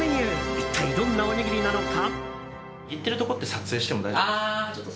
一体、どんなおにぎりなのか。